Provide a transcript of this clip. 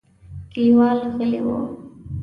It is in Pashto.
کليوال غلي وو.